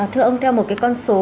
thưa ông theo một cái con số